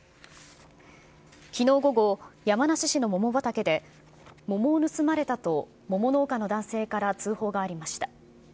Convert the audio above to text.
きのう午後、山梨市の桃畑で、桃を盗まれたと、桃農家の男性から通報がありました。